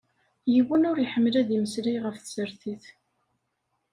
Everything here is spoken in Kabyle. Yiwen ur iḥemmel ad imeslay ɣef tsertit.